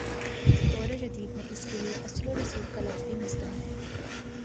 دور جدید میں اس کے لیے" اثرورسوخ کا لفظ بھی مستعمل ہے۔